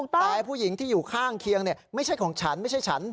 แต่ผู้หญิงที่อยู่ข้างเคียงไม่ใช่ของฉันไม่ใช่ฉัน